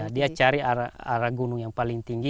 dia cari arah gunung yang paling tinggi